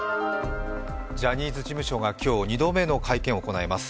ジャニーズ事務所が今日、２度目の会見を行います。